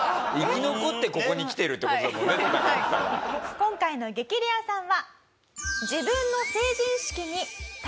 今回の激レアさんは。